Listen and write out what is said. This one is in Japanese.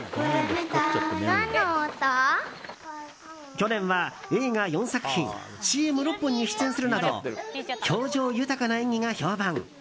去年は映画４作品ＣＭ６本に出演するなど表情豊かな演技が評判。